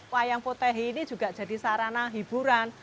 wayang potehi ini juga jadi sarana hiburan